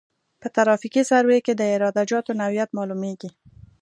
په ترافیکي سروې کې د عراده جاتو نوعیت معلومیږي